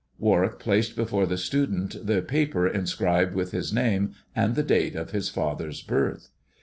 Warwick placed before the student the paper inscribed with his name and the date of his father's birth.